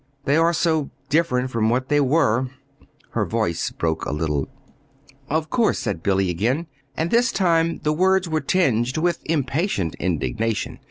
They are so different from what they were!" Her voice broke a little. "Of course," said Billy again, and this time the words were tinged with impatient indignation.